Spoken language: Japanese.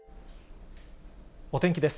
お天気です。